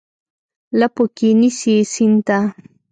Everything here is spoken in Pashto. لپو کې نیسي سیند ته،